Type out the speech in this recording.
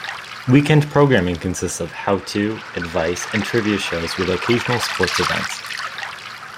Weekend programming consists of how-to, advice, and trivia shows with occasional sports events.